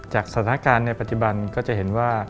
จากสถานการณ์ในปัจจุบันก็จะเห็นว่า